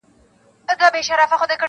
چي هره چېغه پورته کم پاتېږي پر ګرېوان--!